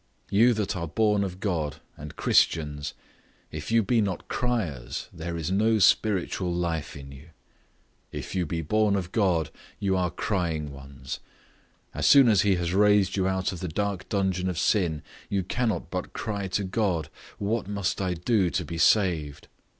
You that are born of God, and Christians, if you be not criers, there is no spiritual life in you; if you be born of God, you are crying ones; as soon as he has raised you out of the dark dungeon of sin, you cannot but cry to God, What must I do to be saved?